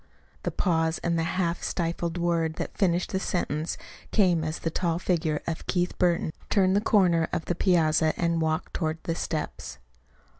The pause, and the half stifled word that finished the sentence came as the tall figure of Keith Burton turned the corner of the piazza and walked toward the steps.